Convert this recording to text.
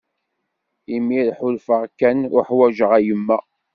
Imir ḥulfaɣ kan uḥwaǧeɣ yemma.